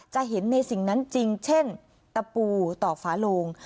จะเห็นในสิ่งนั้นจริงเช่นตะปูต่อฝาโลง